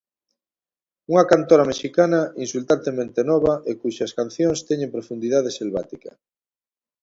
Unha cantora mexicana insultantemente nova e cuxas cancións teñen profundidade selvática.